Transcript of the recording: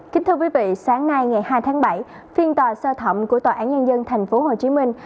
kính thưa quý vị sáng nay ngày hai tháng bảy phiên tòa sơ thẩm của tòa án nhân dân thành phố hồ chí minh